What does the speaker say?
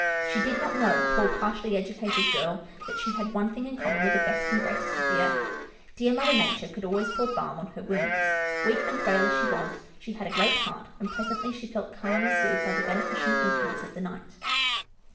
She did not know — poor, partially educated girl — that she had one thing in common with the best and greatest of the earth. LITTLE HOUSETOP 159 Dear Mother Nature could always pour balm on her wounds. Weak and frail as she was, she had a great heart, and presently she felt calmed and soothed by the beneficent influence of the night.